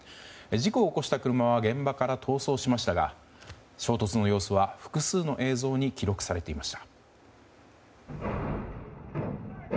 事故を起こした車は現場から逃走しましたが衝突の様子は複数の映像に記録されていました。